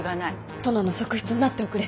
殿の側室になっておくれ。